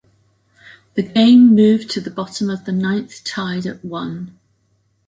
The game moved to the bottom of the ninth tied at one.